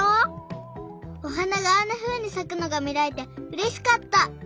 おはながあんなふうにさくのがみられてうれしかった。